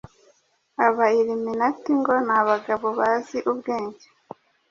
Aba Illuminati, ngo ni abagabo bazi ubwenge,